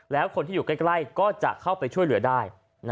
แล้วคนที่อยู่ใกล้ก็จะเข้าไปช่วยเหลือได้